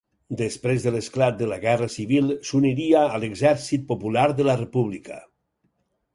Després de l'esclat de la Guerra civil s'uniria a l'Exèrcit Popular de la República.